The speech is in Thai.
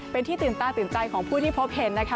เป็นที่ตื่นตาตื่นใจของผู้ที่พบเห็นนะคะ